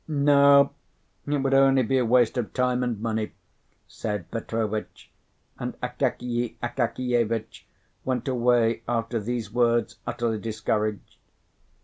"No, it would only be a waste of time and money," said Petrovitch; and Akakiy Akakievitch went away after these words, utterly discouraged.